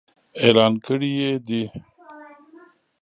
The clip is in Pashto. اعلان کړي يې دي.